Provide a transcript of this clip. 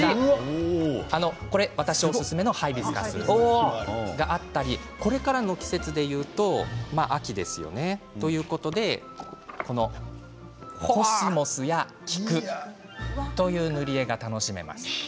私おすすめのハイビスカスがあったりこれからの季節でいうと秋ですよね。ということでコスモスやキクという塗り絵が楽しめます。